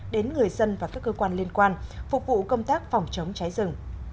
đến người dân và các cơ quan liên quan phục vụ công tác phòng chống cháy rừng